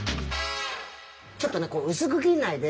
ちょっとねうすく切んないで。